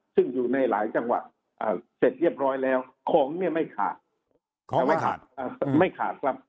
ซึ่งอยู่ในหลายจังหวัดเสร็จเรียบร้อยแล้วของไม่ขาด